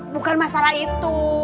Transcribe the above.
bukan masalah itu